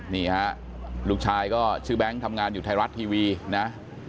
นี่ฮะลูกชายก็ชื่อแบงค์ทำงานอยู่ไทยรัฐทีวีนะ